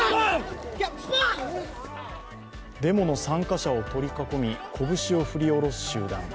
デモの参加者を取り囲み拳を振り下ろす集団。